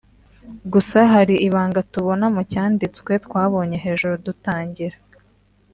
Gusa hari ibanga tubona mu cyanditswe twabonye hejuru dutangira